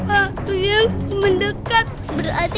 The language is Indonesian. kadam tuyulnya yang mendekat